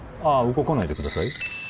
動かないでください